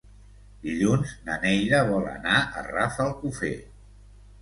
Dilluns na Neida vol anar a Rafelcofer.